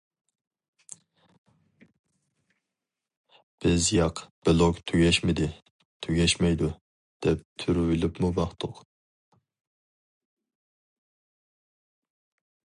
بىز «ياق، بىلوگ تۈگەشمىدى، تۈگەشمەيدۇ» دەپ تۇرۇۋېلىپمۇ باقتۇق.